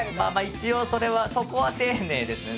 一応それはそこは丁寧ですね。